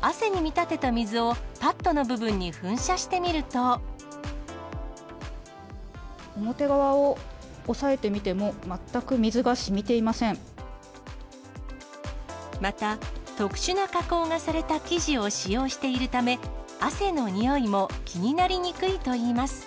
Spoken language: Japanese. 汗に見立てた水をパッドの部表側を押さえてみても、また、特殊な加工がされた生地を使用しているため、汗のにおいも気になりにくいといいます。